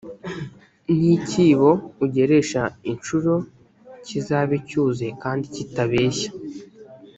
n’icyibo ugeresha incuro kizabe cyuzuye kandi kitabeshya,